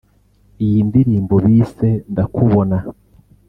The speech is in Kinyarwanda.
Iyi ndirimbo bise ‘Ndakubona’